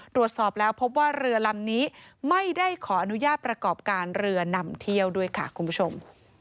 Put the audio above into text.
ตรวจสอบแล้วพบว่าเรือลำนี้ไม่ได้ขออนุญาตประกอบการเรือนำเที่ยวด้วยค่ะคุณผู้ชม